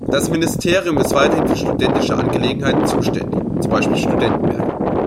Das Ministerium ist weiterhin für studentische Angelegenheiten zuständig, zum Beispiel Studentenwerke.